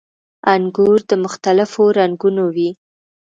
• انګور د مختلفو رنګونو وي.